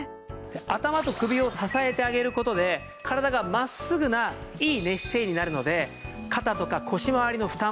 頭と首を支えてあげる事で体が真っすぐないい寝姿勢になるので肩とか腰回りの負担